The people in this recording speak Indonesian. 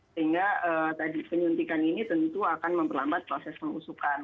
sehingga tadi penyuntikan ini tentu akan memperlambat proses pengusukan